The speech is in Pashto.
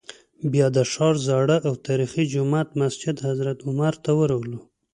بیا د ښار زاړه او تاریخي جومات مسجد حضرت عمر ته ورغلو.